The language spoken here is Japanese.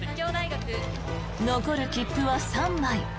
残る切符は３枚。